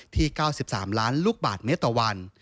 ที่๙๓ล้านลูกบาทเมตรต่อวัน